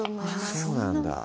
あっそうなんだ